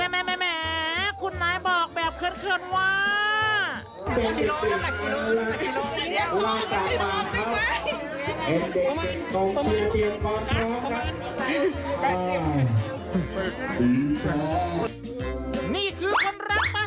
แม่คุณนายบอกแบบเคลื่อนว่า